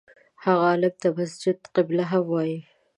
هغه عالم ته مسجد قبله هم وایي.